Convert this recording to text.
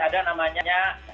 ada namanya indikator